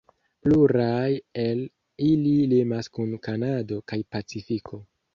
Pluraj el ili limas kun Kanado kaj Pacifiko.